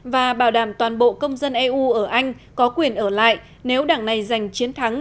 và bảo đảm toàn bộ công dân eu ở anh có quyền ở lại nếu đảng này giành chiến thắng